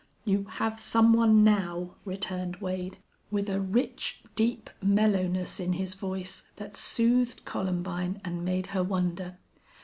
"You have some one now," returned Wade, with a rich, deep mellowness in his voice that soothed Columbine and made her wonder.